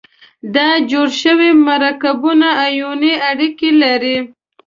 دا جوړ شوي مرکبونه آیوني اړیکې لري.